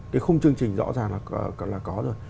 cái khung chương trình rõ ràng là có rồi